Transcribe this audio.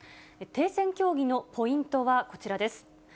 停戦協議のポイントはこちらです。